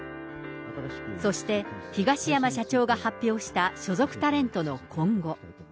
そして、東山社長が発表した所属タレントの今後。